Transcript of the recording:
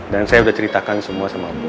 dan saya udah ceritakan semua sama boy